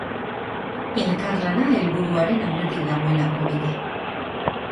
Elkarlana helburuaren aurretik dagoelako beti.